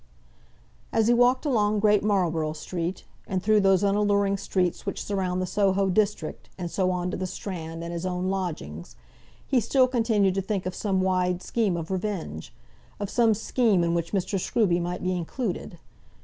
As he walked along Great Marlborough Street, and through those unalluring streets which surround the Soho district, and so on to the Strand and his own lodgings, he still continued to think of some wide scheme of revenge, of some scheme in which Mr. Scruby might be included.